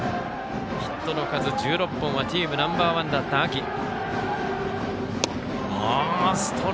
ヒットの数１６本はチームナンバー１だった秋、友廣。